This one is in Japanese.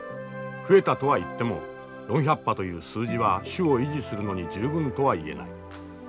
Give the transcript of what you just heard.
増えたとは言っても４００羽という数字は種を維持するのに十分とは言えない。